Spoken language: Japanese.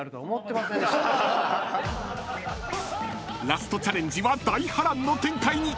［ラストチャレンジは大波乱の展開に］